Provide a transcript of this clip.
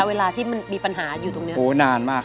เพราะถ้าเจอน้ำมาก